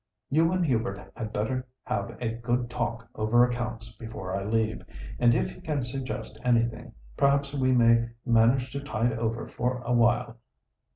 You and Hubert had better have a good talk over accounts before I leave, and if he can suggest anything, perhaps we may manage to tide over for a while.